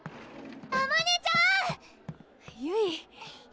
あまねちゃんゆい